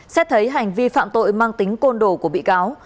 xét thấy hành vi phạm tội mang tính côn đồ của bị cáo